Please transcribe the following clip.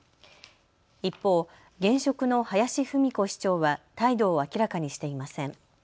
一方、現職の林文子市長は態度を明らかにしていません。